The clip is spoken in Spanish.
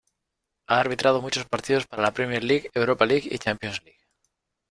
Ha arbitrado muchos partidos en la Premier League, Europa League y Champions League.